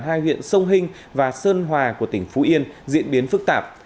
hai huyện sông hình và sơn hòa của tỉnh phú yên diễn biến phức tạp